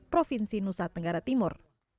provinsi nusa tenggara timur